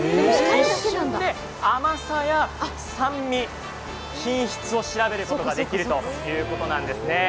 一瞬で甘さや酸味、品質を調べることができるということなんですね。